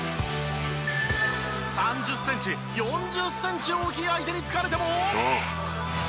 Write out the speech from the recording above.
３０センチ４０センチ大きい相手につかれても。